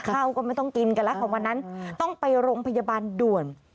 ข้าวก็ไม่ต้องกินกันแล้วค่ะวันนั้นต้องไปโรงพยาบาลด่วน